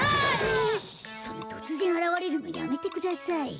そのとつぜんあらわれるのやめてください。